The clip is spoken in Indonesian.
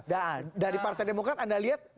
dan dari partai demokrat anda lihat